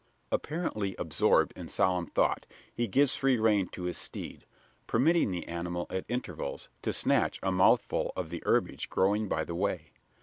Apparently absorbed in solemn thought, he gives free rein to his steed: permitting the animal, at intervals, to snatch a mouthful of the herbage growing by the way.